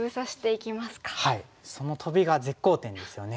そのトビが絶好点ですよね。